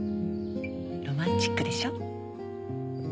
ロマンチックでしょ？